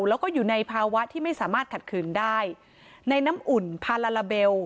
แล้วก็อยู่ในภาวะที่ไม่สามารถขัดขืนได้ในน้ำอุ่นพาลาลาเบล